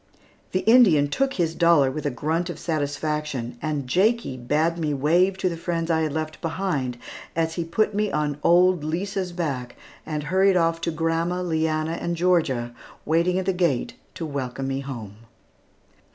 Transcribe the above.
The Indian took his dollar with a grunt of satisfaction, and Jakie bade me wave to the friends I had left behind, as he put me on old Lisa's back and hurried off to grandma, Leanna, and Georgia, waiting at the gate to welcome me home.